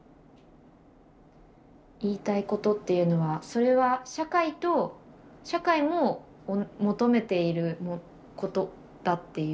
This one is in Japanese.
言いたいことっていうのはそれは社会と社会も求めていることだっていう。